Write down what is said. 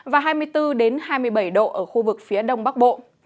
và hai mươi bốn hai mươi bảy độ ở khu vực phía đông bắc bộ